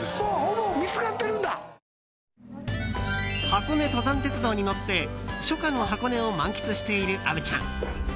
箱根登山鉄道に乗って初夏の箱根を満喫している虻ちゃん。